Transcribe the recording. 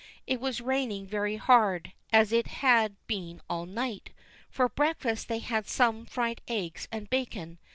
It was raining very hard, as it had been all night. For breakfast they had some fried eggs and bacon.